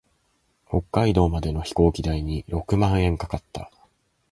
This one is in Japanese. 北海道までの飛行機代に六万円かかった。